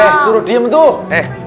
eh suruh diem tuh eh